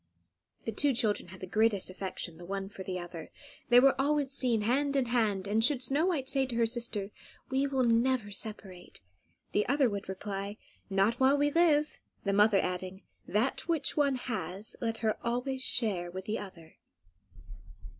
The two children had the greatest affection the one for the other. They were always seen hand in hand; and should Snow White say to her sister, "We will never separate," the other would reply, "Not while we live," the mother adding, "That which one has, let her always share with the other."